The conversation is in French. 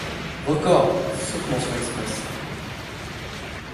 Records, sauf mention expresse.